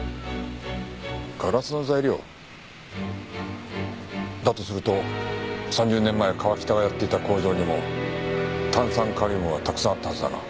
ガラスの材料？だとすると３０年前川喜多がやっていた工場にも炭酸カリウムはたくさんあったはずだな。